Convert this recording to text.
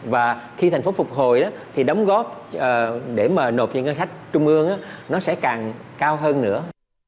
và khi thành phố phục hồi thì đóng góp để mà nộp cho ngân sách trung ương nó sẽ càng cao hơn nữa